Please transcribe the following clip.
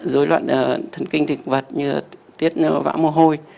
rối loạn thần kinh thịt vật như là tiết vã mô hôi